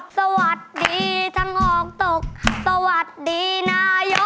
สวัสดีทั้งออกตกสวัสดีนายก